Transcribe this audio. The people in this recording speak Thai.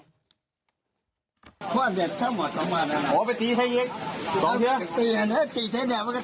อ๋อไปตีใช้เย็ด